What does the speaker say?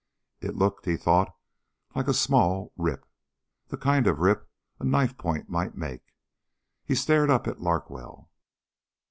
It looked, he thought, like, a small rip. The kind of a rip a knife point might make. He stared up at Larkwell.